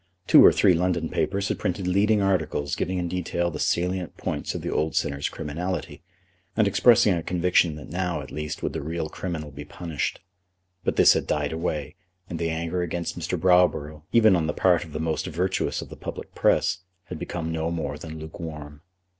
Two or three London papers had printed leading articles, giving in detail the salient points of the old sinner's criminality, and expressing a conviction that now, at least, would the real criminal be punished. But this had died away, and the anger against Mr. Browborough, even on the part of the most virtuous of the public press, had become no more than lukewarm.